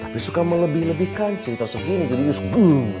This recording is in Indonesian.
tapi suka melebih lebihkan cerita segini jadi ini skrung